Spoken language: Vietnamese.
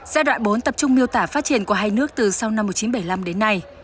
giai đoạn bốn tập trung miêu tả phát triển của hai nước từ sau năm một nghìn chín trăm bảy mươi năm đến nay